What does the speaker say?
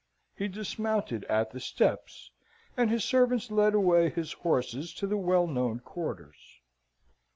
He dismounted at the steps, and his servants led away his horses to the well known quarters.